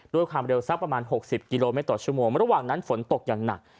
ด้วยความเร็วสักประมาณ๖๐กิโลเมตรต่อชั่วโมงระหว่างนั้นฝนตกอย่างหนัก